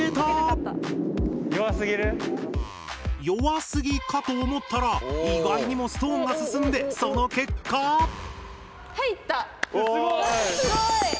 弱すぎかと思ったら意外にもストーンが進んでその結果⁉すごい！